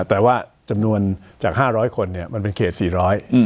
แต่ว่าจำนวนจากห้าร้อยคนเนี่ยมันเป็นเขตสี่ร้อยอืม